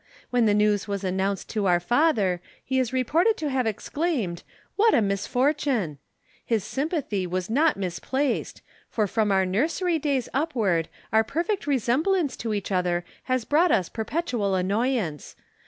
When the news was announced to our father, he is reported to have exclaimed, 'What a misfortune!' His sympathy was not misplaced, for from our nursery days upward our perfect resemblance to each other has brought us perpetual annoyance.